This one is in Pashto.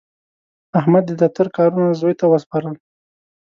احمد د دفتر کارونه زوی ته وسپارل.